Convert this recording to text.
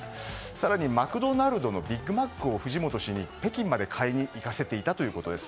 更にマクドナルドのビッグマックを藤本氏に北京まで買いに行かせていたということです。